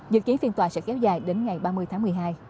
dự kiến phiên tòa sẽ kéo dài đến ngày ba mươi tháng một mươi hai